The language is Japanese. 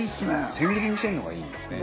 千切りにしてるのがいいですね